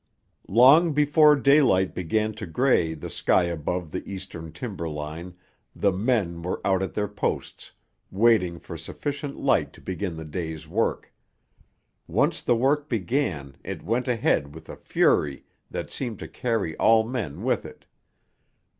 Long before daylight began to grey the sky above the eastern timber line the men were out at their posts, waiting for sufficient light to begin the day's work. Once the work began it went ahead with a fury that seemed to carry all men with it.